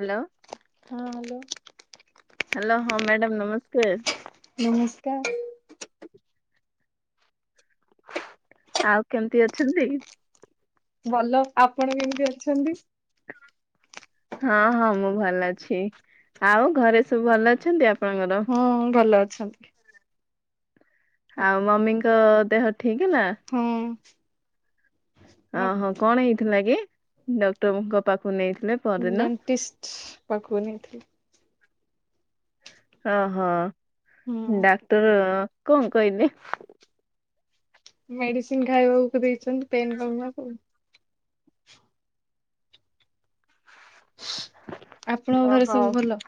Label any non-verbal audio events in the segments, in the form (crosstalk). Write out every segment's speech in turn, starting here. Hello. ହଁ hello. Hello ହଁ madam ନମସ୍କାର। ନମସ୍କାର। ଆଉ କେମିତି ଅଛନ୍ତି? ଭଲ ଆପଣ କେମିତି ଅଛନ୍ତି? ହଁ ହଁ ମୁଁ ଭଲ ଅଛି, ଆଉ ଘରେ ସବୁ ଭଲ ଅଛନ୍ତି ଆପଣଙ୍କର? ହଁଅ ଭଲ ଅଛନ୍ତି। ଆଉ ମମିଙ୍କ ଦେହ ଠିକ୍ ହେଲା? ହୁଁ। ଓହୋ କଣ ହେଇଥିଲାକି ଡକ୍ଟରଙ୍କ ପାଖକୁ ନେଇଥିଲେ? ପରଦିନ ଡେଣ୍ଟିଷ୍ଟ ପାଖକୁ ନେଇଥିଲି। ଓ ହ ହୁଁ। ଡାକ୍ତର କଣ କହିଲେ? ମେଡିସିନ ଖାଇବାକୁ ଦେଇଚନ୍ତି ପେନ୍ କମିବାକୁ। ଆପଣଙ୍କ ଘରେ ଓହୋ ସବୁ ଭଲ?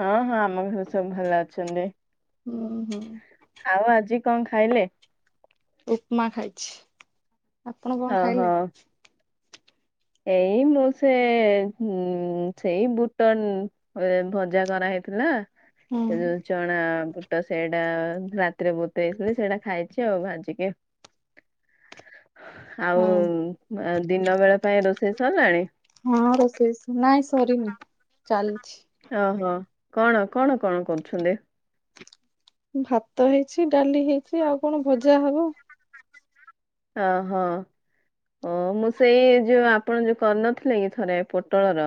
ହଁ ହଁ ଆମ ଘରେ ସବୁ ଭଲ ଅଛନ୍ତି। ଉଁ ହୁଁ। ଆଉ ଆଜି କଣ ଖାଇଲେ? ଉପମା ଖାଇଚି। ଆପଣ କଣ ଓହୋ ଖାଇଲେ? ଏଇ ମୁଁ ସେ ଉଁ ସେଇ ବୁଟ ନୁ ଏ ଭଜା କରାହେଇଥିଲା ହୁଁ ସେ ଯୋଉ ଚଣା ବୁଟ ସେଇଟା ରାତିରେ ବତୁରେଇଥିଲି। ସେଇଟା ଖାଇଚି ଆଉ ଭାଜିକି। (inaudible) ଆଉ ଉଁଃ ଦିନ ବେଳ ପାଇଁ ରୋଷେଇ ସରିଲାଣି? ହଁ ରୋଷେଇ ନାଇଁ ସରିନି ଚାଲିଛି। ଓହୋ କଣ କଣ କଣ କରୁଛନ୍ତି? ଭାତ ହେଇଚି ଡାଲି ହେଇଚି ଆଉ କଣ ଭଜା ହବ। ଓହୋ। ଓ ମୁଁ ସେଇ ଯୋଉ ଆପଣ ଯୋଉ କରିନଥିଲେ କି ଥରେ ପୋଟଳର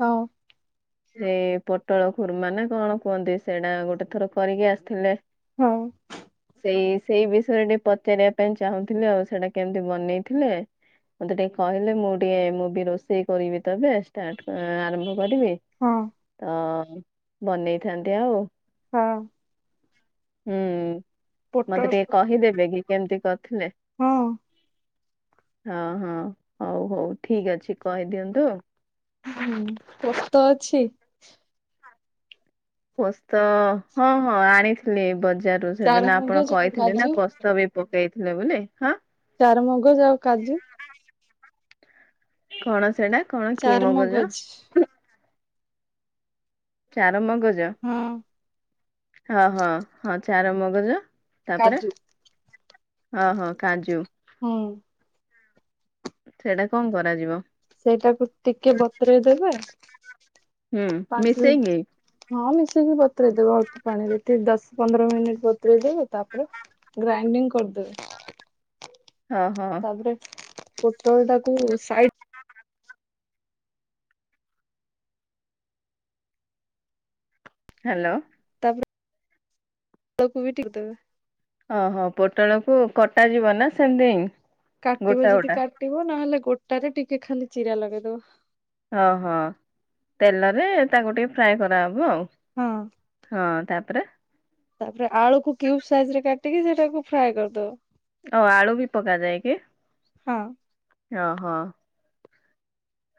ହଁ। ସେଇ ପୋଟଳ ଖୁର୍ମା ନା କଣ କୁହନ୍ତି? ସେଇଟା ଗୋଟେ ଥର କରିକି ଆସିଥିଲେ। ହଁ। ସେଇ ସେଇ ବିଷୟରେ ଟିକେ ପଚାରିବା ପାଇଁ ଚାହୁଁଥିଲେ ଆଉ। ସେଇଟା କେମିତି ବନେଇଥିଲେ? ତେ ଟିକେ କହିଲେ ମୁଁ ଟିକେ ମୁଁ ବି ରୋଷେଇ କରିବି ତ ଏବେ, ଷ୍ଟାର୍ଟ ଆରମ୍ଭ କରିବି। ହଁ। ତ ବନେଇଥାନ୍ତି ଆଉ। ହଁ। ହୁଁ, ପୋଟଳ ମତେ ଟିକେ କହିଦେବେ କି କେମିତି କରିଥିଲେ? ହଁ। ହଁ ହଁ ହଉ ହଉ ଠିକ ଅଛି କହି ଦିଅନ୍ତୁ। ହୁଁ ପୋସ୍ତ ଅଛି? ପୋସ୍ତ ହଁ ହଁ ଆଣିଥିଲି ବଜାରରୁ ଚାରୁ ସେଦିନ ଆପଣ ମଗଜ ଆଉ କହିଥିଲେ ନା କାଜୁ ପୋସ୍ତ ବି ପକେଇଥିଲେ ବୋଲି ହାଁ? ଚାରୁ ମଗଜ ଆଉ କାଜୁ? କଣ ସେଇଟା କଣ କି ମଗଜ? ଚାରୁ ମଗଜ ହଁ ହଁ ହଁ ହଁ ଚାରୁ ମଗଜ। ତାପରେ, କାଜୁ ହଁ ହଁ କାଜୁ। ହୁଁ। ସେଇଟା କଣ କରାଯିବ? ସେଇଟାକୁ ଟିକେ ବତୁରେଇ ଦେବେ। ହୁଁ ପାଞ୍ଚ ମିଶେଇକି ହଁ ମିସେଇକି ବତୁରେଇ ଦେବେ ଅଳ୍ପ ପାଣିରେ ଟି ଦଶ, ପନ୍ଦର ମିନିଟ ବତୁରେଇ ଦେବେ। ତାପରେ ଗ୍ରାଇଣ୍ଡିଙ୍ଗ କରିଦେବେ। ହଁ ହଁ। ରେ ପୋଟଳ ଟାକୁ ସାଇ (inaudible) ହାଲୋ। ତାପରେ ତାକୁ ବି (unintelligible) ଦେବେ। ଓହୋ ପୋଟଳକୁ କଟା ଯିବ ନା ସେମତି? କାଟିବ ଯଦି କାଟିବ ନହେଲେ ଗୋଟାରେ ଟିକେ ଖାଲି ଚିରା ଲଗେଇଦବ। ଓହୋ ତେଲରେ ତାକୁ ଟିକେ ଫ୍ରାଏ କରାହେବ ଆଉ। ହଁ ହଁ ତାପରେ? ତାପରେ ଆଳୁକୁ କ୍ୟୁବ ସାଇଜରେ କାଟିକି ସେଟାକୁ ଫ୍ରାଏ କରିଦବ। ଓ ଆଳୁ ବି ପକାଯାଏ କି? ହଁ ଓହୋ।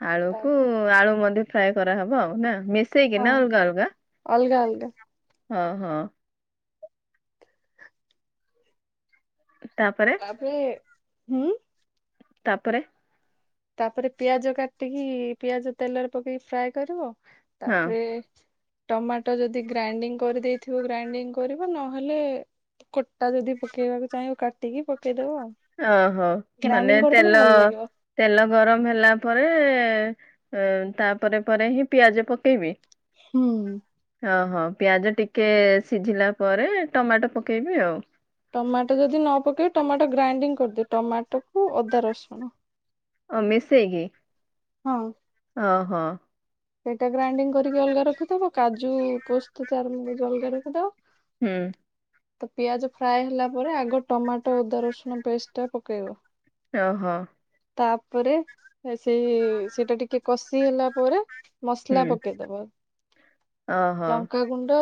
ଆଳୁକୁ ତାପରେ ଆଳୁ ମଧ୍ୟ ଫ୍ରାଏ କରାହବ। ନା ମିସ୍ ମି ସେଇ କି ହଁ ନା ଅଲଗା ଅଲଗା ଅଲଗା ଅଲଗା ହଁ ହଁ। ତାପରେ ଆପରେ ହୁଁ। ତାପରେ? ତାପରେ ପିଆଜ କାଟିକି ପିଆଜ ତେଲରେ ପକେଇକି ଫ୍ରାଏ କରିବ। ହଁ ତାପରେ ଟମାଟ ଯଦି ଗ୍ରାଇଣ୍ଡିଙ୍ଗ କରିଦେଇଥିବ ଗ୍ରାଇଣ୍ଡିଙ୍ଗ କରିଵ ନହେଲେ ଗୋଟା ଯଦି ପକେଇବାକୁ ଚାହଁବ କାଟିକି ପକେଇଦବ ଆଉ। ଓହୋ ମାନେ ଗ୍ରାଇଣ୍ଡିଙ୍ଗ କରିଦେଲେ ତେଲ ଭଲ ଲାଗିବ। ତେଲ ଗରମ ହେଲା ପରେ ତାପରେ ପରେ ହିଁ ପିଆଜ ପକେଇବି ହୁଁ ଓହୋ ପିଆଜ ଟିକେ ସିଝିଲା ପରେ ଟମାଟୋ ପକେଇବି ଆଉ ଟମାଟୋ ଯଦି ନ ପକେଇବେ ଟମାଟୋ ଗ୍ରାଇଣ୍ଡିଙ୍ଗ କରିଦି ଟମାଟୋକୁ ଅଦା ରସୁଣ ଅ ମିଶେଇକି ହଁ ଓ ହୋ ସେଇଟା ଗ୍ରାଇଣ୍ଡିଙ୍ଗ କରିକି ଅଲଗା ରଖିଦବ କାଜୁ ପୋସ୍ତ ଚାରମଗଜ ଅଲଗା ରଖିଦବ ହୁଁ ତ ପିଆଜ ଫ୍ରାଏ ହେଲା ପରେ ଆଗ ଟମାଟୋ ଅଦା ରସୁଣ ପେଷ୍ଟ ଟା ପକେଇବ ଓହୋ ତାପରେ ସେଇ ସେଇଟା ଟିକେ କଷି ହେଲା ପରେ ମସଲା ହୁଁ ପକେଇଦବା ଓହୋ ଲଙ୍କା ଗୁଣ୍ଡ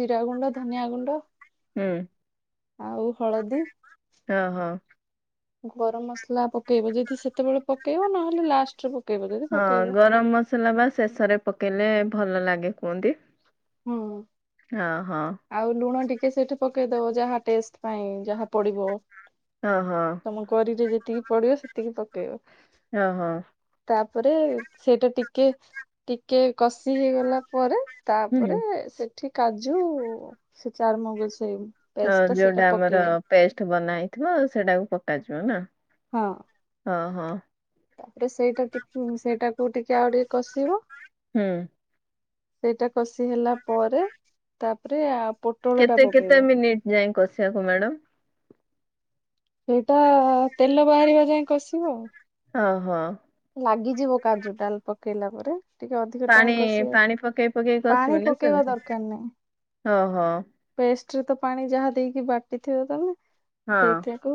ଜିରା ଗୁଣ୍ଡ ଧନିଆ ଗୁଣ୍ଡ ହଁ ଆଉ ହଳଦୀ ହଁ ହଁ ଗରମ ମସଲା ପକେଇବ ଯଦି ସେତେବେଳେ ପକେଇବ ନହେଲେ ଲାଷ୍ଟରେ ପକେଇବ ଯଦି ହଁ ପକେଇବ ଗରମ ମସଲା ବା ଶେଷରେ ପକେଇଲେ ଭଲ ଲାଗେ କୁହନ୍ତି ହୁଁ ହ ହଁ ଆଉ ଲୁଣ ଟିକେ ସେଇଠି ପକେଇଦବ ଯାହା ଟେଷ୍ଟ ପାଇଁ ଯାହା ପଡିବ ହଁ ହଁ ତମ କରିରେ ଯେତିକି ପଡିବ ସେତିକି ପକେଇବ ଓହୋ ତାପରେ ସେଇଟା ଟିକେ ଟିକେ କଷି ହେଇଗଲା ପରେ ତା ତାପରେ ହୁଁ ସେଠି କାଜୁ ସେ ଚାରମଗ ସେଇ ହ ପେଷ୍ଟ ଟା ସେଇଟା ଯୋଉଟା ଆମର ପକେଇବେ ପେଷ୍ଟ ବନ ହେଇଥିବ ସେଟାକୁ ପକାଯିବ ନା ହଁ ଓହୋ ତାପରେ ସେଇଟା ଟ ସେଇଟାକୁ ଟିକେ ଆଉ ଟିକେ କଷିବ ହୁଁ ସେଇଟା କଷି ହେଲା ପରେ ତାପରେ ପୋଟଳ ଟା କେତେ କେତେ ପକେଇବ ମିନିଟ ଯାଇଏ କସିବାକୁ ମ୍ୟାଡାମ ସେଇଟା ତେଲ ବାହାରିବା ଯାଇଏ କଷିବ ଆଉ ଓ ହୋ ଲାଗିଯିବ କାଜୁ ଡାଲ ପକେଇଲା ପରେ ଟିକେ ଅଧିକ ଟାଇମ ପାଣି କଷିବ ପାଣି ପକେଇ ପକେଇ ପାଣି କସିବୁ ନା ପକେଇବା ସେମତି ଦରକାର ନାହିଁ ଓହୋ ପେଷ୍ଟରେ ତ ପାଣି ଯାହା ଦେଇକି ବାଟିଥିବ ତ ନା ହଁ ସେଇଥିକୁ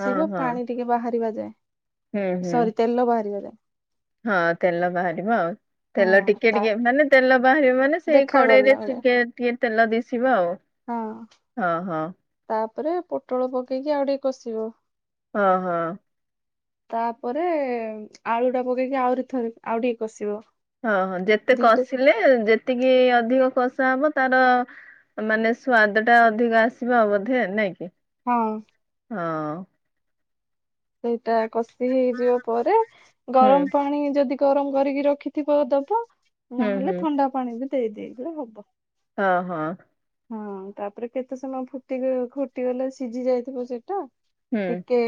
ହଁ ହଁ ପାଣି ଟିକେ ବାହାରିବା ଯାଏ ହୁଁ ହୁଁ ସରି ତେଲ ବାହାରିବନ ହଁ ତେଲା ବାହାରି ମା ଆ ତେଲ ହଁ ଟିକେ ତା ଟିକେ ମାନେ ତେଲ ବାହାରିବେ ମାନେ ସେଇ ଦେଖା ଗଲା ଭଳିଆ କଡ଼େଇରେିକେ ଟିକେ ତେଲ ଦିଶିବ ଆଉ ହଁ ହଁ ହଁ ତାପରେ ପୋଟଳ ପକେଇକି ଆଉ ଟିକେ କଷିବ। ହଁ ହଁ। ତାପରେ ଆଳୁ ଟା ପକେଇକି ଆହୁରି ଥରେ ଆଉ ଟିକେ କଷିବ। ହଁ ହଁ ଯେତେ ଦିଟା କଷିଲେ ଯେତିକି ଅଧିକ କଷା ହବ ତାର ମାନେ ସ୍ଵାଦଟା ଅଧିକ ଆସିବ ବୋଧେ ନାଇଁ କି। ହଁ। ହଁ। ସେଇଟା କଷି ହେଇଯିବା ପରେ ହୁଁ ଗରମ ପାଣି ପାଣି ଯଦି ଗରମ କରିକି ରଖିଥିବ ଦବ। ହୁଁ ହୁଁ ନହେଲେ ଥଣ୍ଡା ପାଣି ବି ଦେଇଦେଲେ ବି ହବ। ହଁ ହଁ। ହଁ ତାପରେ କେତେ ସମୟ ଫୁଟି ଫୁଟିଗଲେ ସିଝି ଯାଇଥିବ ସେଟା। ହୁଁ ଟିକେ।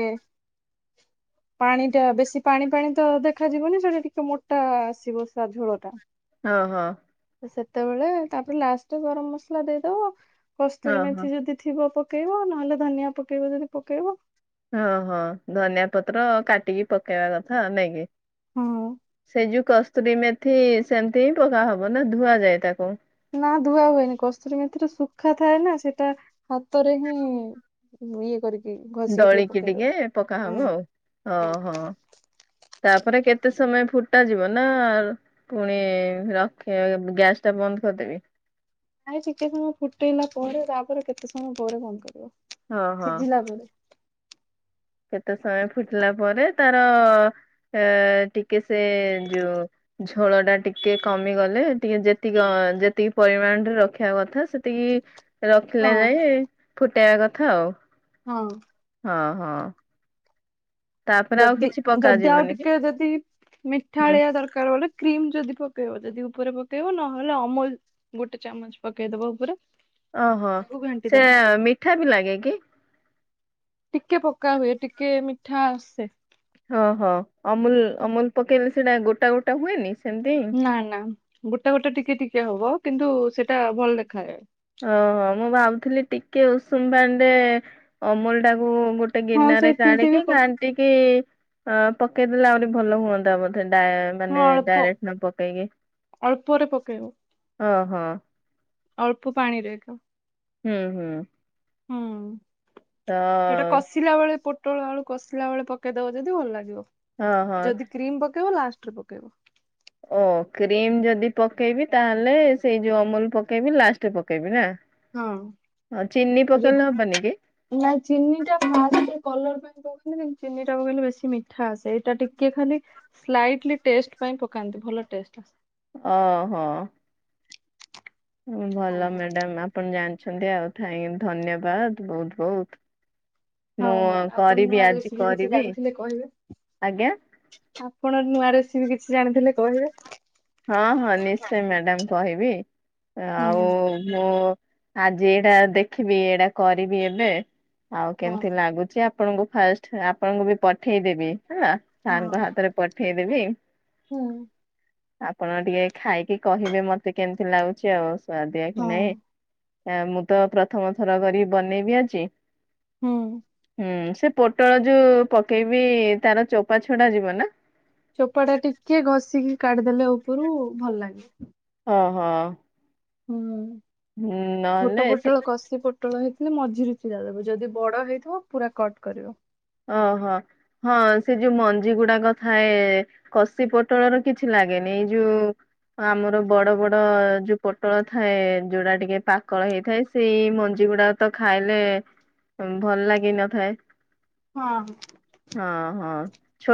ପାଣି ଟା ବେଶୀ ପାଣି ପାାଣି ତ ଦେଖାଯିବନି ସେଟା ଟିକେ ମୋଟା ଆସିବ ସେ ଝୋଳ ଟା। ହଁ ହଁ। ସେତେବେଳେ ତାପରେ ଲାଷ୍ଟରେ ଗରମ ମସଲା ଦେଇଦବ। ହଁ କସ୍ତୁରୀ ହଁ ମେଥି ଯଦି ଥିବ ପକେଇବ। ନହେଲେ ଧନିଆ ପକେଇବ ଯଦି ପକେଇବ। ଓଁ ହଁ ଧନିଆ ପତ୍ର କାଟିକି ପକେଇବା କଥା ନାଇଁକି। ହଁ। ସେ ଯୋଉ କସ୍ତୁରୀ ମେଥି ସେମିତି ହିଁ ପକା ହବ ନା ଧୁଆଯାଏ ତାକୁ। ନା ଧୁଆ ହୁଏନି କଷୁରୀ ମଥିରେ ଶୁଖା ଥାଏ ନା ସେଇଟା ହାତରେ ହିଁ ଇଏ କରିକି ଘଷିକି ଦଳିକି ପକେଇଦବ। ଟିକେ ପକାହବ ହୁଁ ଆଉ ଓହୋ। ତାପରେ କେତେ ସମୟ ଫୁଟା ଯିବ? ନା ପୁଣି ରଖେଇ ଗ୍ୟାସଟା ବନ୍ଦ କରିଦେବି। ନାଇଁ ଟିକେ ସମୟ ଫୁଟେଇଲା ପରେ ତାପରେ କେତେ ସମୟ ପରେ ବନ୍ଦ କରିବ। ହଁ ହଁ। ସିଝିଲା ପରେ କେତେ ସମୟ ଫୁଟିଲା ପରେ ତାର ଏ ଟିକେ ସେ ଯୋଉ ଝୋଳ ଟା ଟିକେ କମିଗଲେ ଟିକେ ଯେତିକି ଯେତିକି ପରିମାଣରେ ରଖିବା କଥା ଏତିକି ହଁ ରଖିଲେ ଯାଇ ଫୁଟେଇବା କଥା ଆଉ। ହଁ। ହଁ ହଁ। ତାପରେ ଆଉ ଯଦି କିଛି ଯଦି ଆଉ ପକାଯିବନି କି ଟିକେ ଯଦି ମିଠା ହୁଁ ଆଳିଆ ଦରକା ଲେ କ୍ରିମ ଯଦି ପକେଇବ ଯଦି ଉପରେ ପକେଇବ ନହେଲେ ଅମୁଲ ଗୋଟେ ଚାମଚ ପକେଇ ଦବ ଉପରେ। ଓହୋ ତାକୁ ଘାଣ୍ଟି ସେ ଦବ ମିଠା ବି ଲାଗେ କି? ଟିକେ ପକା ହୁଏ। ଟିକେ ମିଠା ଆସେ। ହଁ ହଁ ଅମୁଲ ଅମୁଲ ପକେଇଲେ ସେଇଟା ଗୋଟା ଗୋଟା ହୁଏନି ସେମତି। ନା ନା ଗୋଟା ଗୋଟେ ଟିକେ ଟିକେ ହବ କିନ୍ତୁ ସେଟା ଭଲ ଦେଖାଯାଏ। ଓହ ମୁଁ ଭାବୁଥିଲି ଟିକେ ଉଷୁମ ପାଣ୍ଡେ ଅମୁଲଟା ମୁଁ ଗୋଟେ ହଁ ଗିନାରେ ସେମିତି ବି କାଢିକି ପ- ଖା ନ୍ତିକି ଅ ପକେଇ ଦେଲେ ଆହୁରି ଭଲ ହୁଅନ୍ତା ବୋଧେ। ଡା ହଁ ମାନେ ଅଳ୍ପ ଡାଇରେକ୍ଟ ନ ପକେଇକି ଅଳ୍ପରେ ପକେଇବ ଓହୋ। ଅଳ୍ପ ପାଣିରେ ଏକ। ହୁଁ ହୁଁ। ହୁଁ ତ ସେଇଟା କସ୍ କଷିଲା ବେଳେ ପୋଟଳ ଆଳୁ କଷିଲା ବେଳେ ପକେଇଦବ ଯଦି ଭଲ ଲାଗିବ। ହଁ ହଁ। କ୍ରିମ୍ ପକେଇବ ଲାଷ୍ଟରେ ପକେଇବ। ଓ କ୍ରିମ୍ ଯଦି ପକେଇବି ତାହେଲେ ସେଇ ଯୋଉ ଅମୁଲ୍ ପକେଇବି ଲାଷ୍ଟରେ ପକେଇବି ନା। ହଁ ହଁ ଚିନି ଆ ପକେଇଲେ ହବନି କି ଯୋଉ ନା ଚିନି ଟା ଭାହାରିକି କଲର ପାଇଁ ସେ କହୁଚନି ଚିନି ଟାକୁ କହିଲଲେ ବେଶୀ ମିଠା ଆସେ ଏଇଟା ଟିକେ ଖାଲି ସ୍ଲାଇଟଲି ଟେଷ୍ଟ ପାଇଁ ପକାନ୍ତି ଭଲ ଟେଷ୍ଟ ଆସେ। ଅହ। ହଁ। ଭଲ ମ୍ୟାଡ଼ାମ୍ ଆପଣ ଜାଣିଛନ୍ତି ଆଉ ଥାଇଁ ଧନ୍ୟବାଦ ବହୁତ ବହୁତ। ମୁଁ ହଉ ଆଉ ଆପଣ ନୂଆ କରିବି ଆଜି ରେସିପି କିଛି କରିବି ଜାଣିଥିଲେ କହିବେ ଆଜ୍ଞା। ଆପଣ ନୂଆ ରେସିପି ବି କିଛି ଜାଣିଥିଲେ କହିଦେବେ। ହଁ ହଁ ନିଶ୍ଚୟ ମ୍ୟାଡାମ୍ କହିବି ହଁ ଆଉ ମୁଁ ଆଜି ଏଇଟା ଦେଖିବି ଏଇଟା କରିବି ଏବେ ଆଉ ହଁ କେମିତି ଲାଗୁଚି ଆପଣଙ୍କୁ ଫାଷ୍ଟ ଆପଣଙ୍କୁ ବି ପଠେଇଦେବି ହେଲା ସାର୍ ଙ୍କ ହାତରେ ପଠେଇଦେବି। ହୁଁ। ଆପଣ ଟିକେ ଖାଇକି କହିବେ ମତେ କେମିତି ଲାଗୁଚି ଆଉ ସୁଆଦିଆ କି ହଁ ନାଇଁ। ମୁଁ ତ ପ୍ରଥମ ଥର ବଢ଼ି ବନେଇବି ଆଜି ହୁଁ। ହୁଁ ସେ ପୋଟଳ ଯୋଉ ପକେଇବି ତାର ଚୋପା ଛଡା ଯିବ ନା? ଚୋପା ଟା ଟିକେ ଘଷିକି କାଢିଦେଲେ ଉପରୁ ଭଲ ଲାଗେ। ଅହ। ହୁଁ ଛୋଟ ନହେଲେ ସେ ପୋଟଳ କଷି ପୋ ପୋଟଳ ହେଇଥିଲେ ମଝିରେ ଚିରା କରିବ ଯଦି ବଡ଼ ହେଇଥିବ ପୁରା କଟ୍ କରିବ। ଓହୋ ହଁ ସେ ଯୋଉ ମଞ୍ଜି ଗୁଡାକ ଥାଏ କଷି ପୋଟଳ ର କିଛି ଲାଗେନି ଏଇ ଯୋଉ ଆମର ବଡ଼ ବଡ଼ ଯୋଉ ପୋଟଳ ଥାଏ ଯୋଉଟା ଟିକେ ପାକଳ ହେଇଥାଏ। ସେଇ ମଞ୍ଜି ଗୁଡାକ ତ ଖାଇଲେ ଭଲ ଲାଗି ନଥାଏ। ହଁ ହଁ। ହଁ ହଁ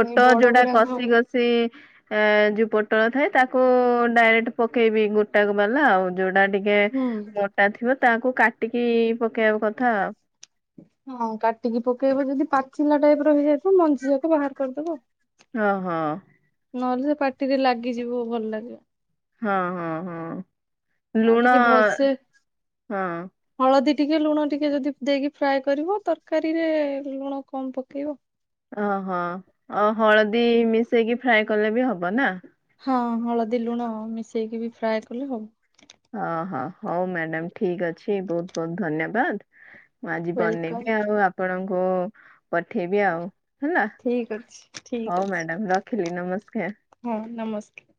ସେଇ ବଡ ଯୋଉଟା ଗୁଡାକ କଷି କଷି ଏ ଯୋଉ ପୋଟଳ ଥାଏ ତାକୁ ଡାଇରେକ୍ଟ ପକେଇବି ଗୋଟା ବାଲା ଆଉ ଯୋଉଟା ଟି ଏ ହୁଁ ମୋଟା ଥିବ ତାକୁ କାଟିକି ପକେଇବା କଥା ଆଉ। ହଁ ହଁ କାଟିକି ପକେଇବ ଯଦି ପାଚିଲା ଟାଇପ୍ ର ହେଇଯାଇ ତ ମଞ୍ଜି ଯାକ ବାହାର କରିଦେବେ। ହଁ ହଁ। ନହେଲେ ସେ ପାଟିରେ ଲାଗିଯିବ ଭଲ ଲାଗିବ। ହଁ ହଁ ହଁ ଆଉ ଲୁଣ ଟିକେ ଭଲସେ ହଁ। ହଳଦୀ ଟିକେ ଲୁଣ ଟିକେ ଯଦି ଦେଇକି ଫ୍ରାଏ କରିବ ତରକାରୀରେ ଲୁଣ କମ୍ ପକେଇବ। ଓହୋ ହଳଦୀ ମିଶେଇକି ଫ୍ରାଏ କଲେ ବି ହବ ନା। ହଁ ହଳଦୀ ଲୁଣ ମିଶେଇକି ବି ଫ୍ରାଏ କଲେ ହବ। ହଁ ହଁ ହୋଉ ମ୍ୟାଡାମ୍ ଠିକ୍ ଅଛି ବହୁତ ବହୁତ ଧନ୍ୟବାଦ। ମୁଁ ଆଜି ୱେଲକମ୍ ବନେଇବି ଆଉ ଆପଣଙ୍କୁ ପଠେଇବି ଆଉ ହେଲା ଠିକ ଅଛି ଠିକ ହୋଉ ଅଛି ମ୍ୟାଡାମ୍ ରଖିଲି ନମସ୍କାର। ହଁ ନମସ୍କାର।